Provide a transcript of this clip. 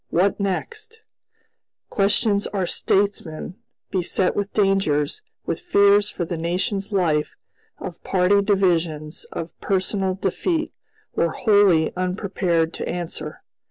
"What next?" Questions our statesmen, beset with dangers, with fears for the nation's life, of party divisions, of personal defeat, were wholly unprepared to answer.